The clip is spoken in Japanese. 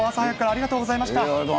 ありがとうございます。